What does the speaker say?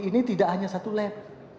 ini tidak hanya satu lab